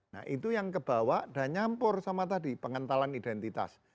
nah itu yang kebawa dan nyampur sama tadi pengentalan identitas